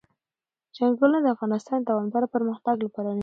چنګلونه د افغانستان د دوامداره پرمختګ لپاره اړین دي.